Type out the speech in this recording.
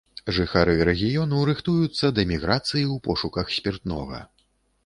Жыхары рэгіёну рыхтуюцца да міграцыі ў пошуках спіртнога.